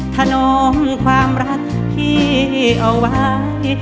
ถนอมความรักพี่เอาไว้